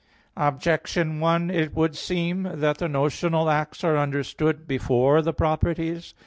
Objection 1: It would seem that the notional acts are understood before the properties.